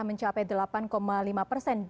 mencapai delapan lima persen